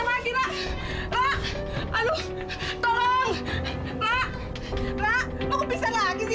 mana itu aneh sih